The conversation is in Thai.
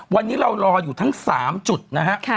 วันนี้เรารออยู่ทั้ง๓จุดนะฮะ